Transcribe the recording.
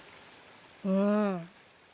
うん。